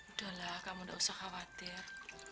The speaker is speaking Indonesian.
udah lah kamu enggak usah khawatir